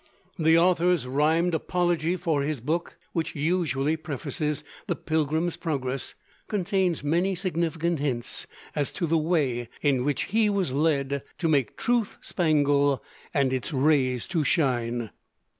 The author's rhymed 'Apology for His Book,' which usually prefaces the 'Pilgrim's Progress,' contains many significant hints as to the way in which he was led to "Make truth spangle, and its rays to shine."